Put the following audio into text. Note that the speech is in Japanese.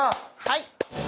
はい。